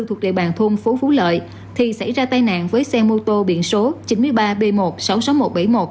thuộc địa bàn thôn phố phú lợi thì xảy ra tai nạn với xe mô tô biển số chín mươi ba b một sáu mươi sáu nghìn một trăm bảy mươi một